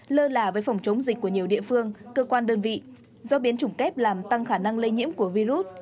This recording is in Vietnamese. lơ là với phòng chống dịch của nhiều địa phương cơ quan đơn vị do biến chủng kép làm tăng khả năng lây nhiễm của virus